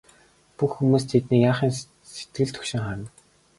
Бүх хүмүүс тэдний яахыг сэтгэл түгшин харна.